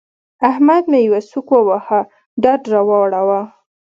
احمد مې يوه سوک وواهه؛ ډډ را واړاوو.